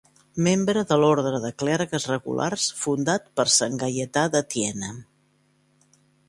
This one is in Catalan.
Membre de l'orde de clergues regulars fundat per sant Gaietà de Thiene.